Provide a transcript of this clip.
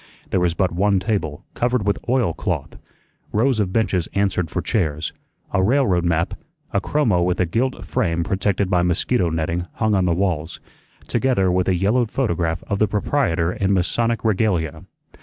There was but one table, covered with oilcloth; rows of benches answered for chairs; a railroad map, a chromo with a gilt frame protected by mosquito netting, hung on the walls, together with a yellowed photograph of the proprietor in Masonic regalia.